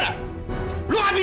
sekali lagi lu kayak gini